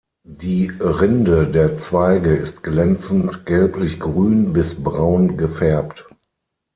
Die Rinde der Zweige ist glänzend gelblich-grün bis braun gefärbt.